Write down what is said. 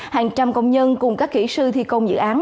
hàng trăm công nhân cùng các kỹ sư thi công dự án